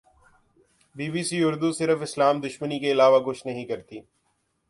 be B C Urdu صرف اسلام دشمنی کے علاوہ کچھ نہیں کرتی